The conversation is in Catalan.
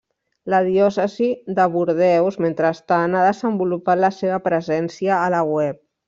La Diòcesi de Bordeus, mentrestant, ha desenvolupat la seva presència a la web.